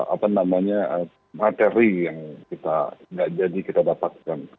apa namanya materi yang kita nggak jadi kita dapatkan